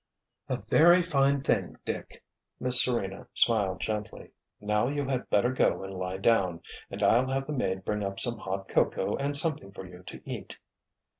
"A very fine thing, Dick." Miss Serena smiled gently. "Now you had better go and lie down, and I'll have the maid bring up some hot cocoa and something for you to eat."